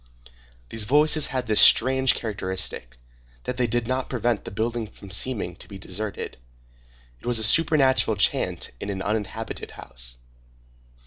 These voices had this strange characteristic, that they did not prevent the building from seeming to be deserted. It was a supernatural chant in an uninhabited house.